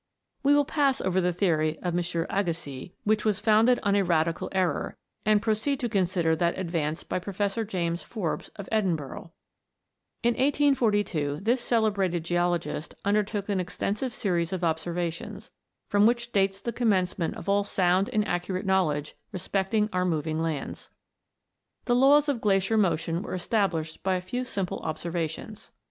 We will pass over the theory of M. Agassiz, which was founded on a radical error, and proceed to con sider that advanced by Professor James Forbes of Edinburgh. In 1842, this celebrated geologist under took an extensive series of observations ; from which dates the commencement of all sound and accurate knowledge respecting our moving lands. The laws of glacier motion were established by a few simple observations.